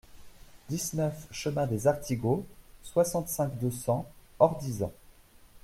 dix-neuf chemin des Artigaux, soixante-cinq, deux cents, Ordizan